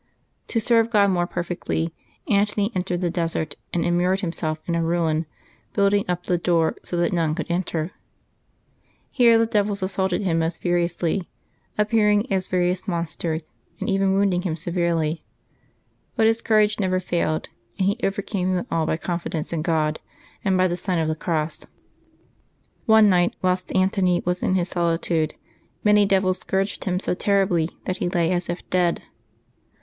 To serve God more perfectly, Antony entered the desert and immured himself in a ruin, building up the door so that none could enter. Here the devils assaulted him most furiously, appearing as various monsters, and even wounding him severely; but his courage never failed, and he overcame them all by confidence in God and by the sign of the cross. One night, whilst Antony was in his solitude, many devils scourged him so terribly that he lay as if dead.